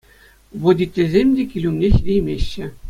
Водительсем те кил умне ҫитеймеҫҫӗ.